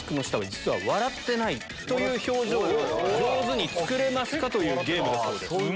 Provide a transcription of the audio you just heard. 表情を上手に作れますかというゲームだそうです。